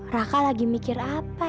raka lagi mikir apa